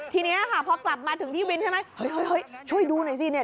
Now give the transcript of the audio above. ทีนี้ค่ะพอกลับมาถึงที่วินใช่ไหมเฮ้ยช่วยดูหน่อยสิเนี่ย